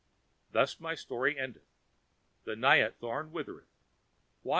Here my story endeth, The Natiya thorn withereth, etc.